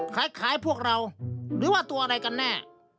คล้ายพวกเราหรือว่าตัวอะไรกันแน่